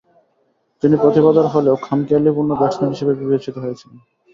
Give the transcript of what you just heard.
তিনি প্রতিভাধর হলেও খামখেয়ালীপূর্ণ ব্যাটসম্যান হিসেবে বিবেচিত হয়েছিলেন।